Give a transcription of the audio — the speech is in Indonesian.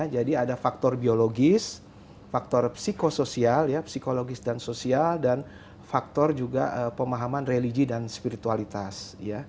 jadi ada faktor biologis faktor psikososial psikologis dan sosial dan faktor juga pemahaman religi dan spiritualitas